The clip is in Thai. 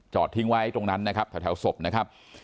จอดทิ้งไว้ตรงนั้นนะครับขอถ่ายทวงที่ศพนะครับ